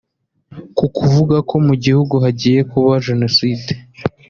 Ku kuvuga ko mu gihugu hagiye kuba Jenoside